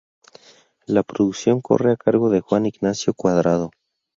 La producción corre a cargo de Juan Ignacio Cuadrado.